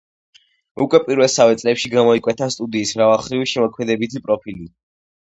უკვე პირველსავე წლებში გამოიკვეთა სტუდიის მრავალმხრივი შემოქმედებითი პროფილი.